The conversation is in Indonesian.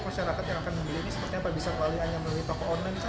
perancaraan yang akan membeli ini sepertinya apa bisa